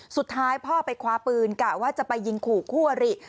สุดท้ายพ่อไปคว้าปืนกะว่าจะไปยิงขู่คู่อริ